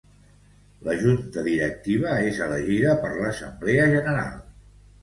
La Junta Directiva és elegida per l'Assemblea General.